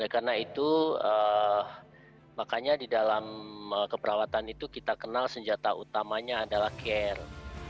karena itu makanya di dalam keperawatan itu kita kenal senjata utamanya adalah care